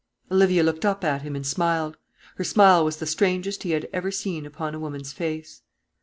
Olivia looked up at him and smiled. Her smile was the strangest he had ever seen upon a woman's face.